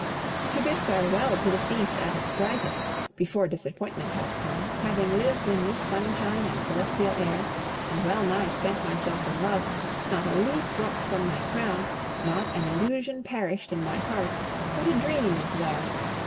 To bid farewell to the feast at its brightest, before disappointment has come, having lived in this sunshine and celestial air, and well nigh spent myself in love, not a leaf dropped from my crown, not an illusion perished in my heart, what a dream is there!